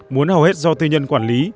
muốn hầu hết do tư nhân quản lý